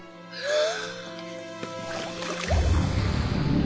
ああ。